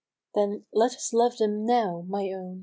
Then let us love them now, my own.